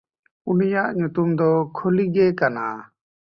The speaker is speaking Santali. ᱩᱱᱤᱭᱟᱜ ᱧᱩᱛᱩᱢ ᱫᱚ ᱠᱷᱚᱞᱤᱜᱮ ᱠᱟᱱᱟ᱾